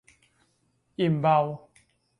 อิ่มเบา